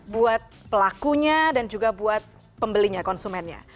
buat pelakunya dan juga buat pembelinya konsumennya